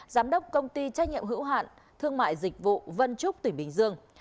giám đốc công ty trách nhiệm hữu hạn thương mại dịch vụ vân trúc tỉnh bình dương